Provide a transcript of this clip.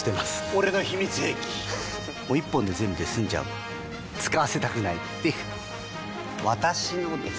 俺の秘密兵器１本で全部済んじゃう使わせたくないっていう私のです！